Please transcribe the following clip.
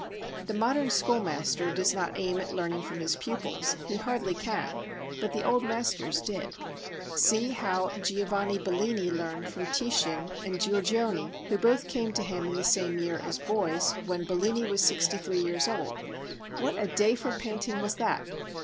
The modern schoolmaster does not aim at learning from his pupils, he hardly can, but the old masters did. See how Giovanni Bellini learned from Titian and Giorgione who both came to him in the same year, as boys, when Bellini was 63 years old. What a day for painting was that!